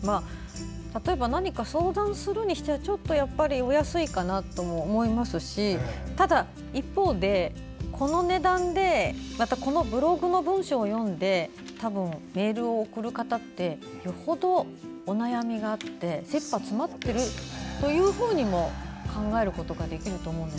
相談するにしてはちょっとお安いかなとも思いますしただ、一方でこの値段でまた、このブログの文章を読んで多分メールを送る方ってよっぽどお悩みがあってせっぱ詰まってるとも考えることができると思うんです。